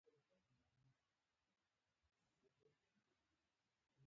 یون صاحب څخه جلا شولو.